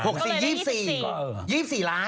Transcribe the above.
ก็เลยได้๒๔ล้าน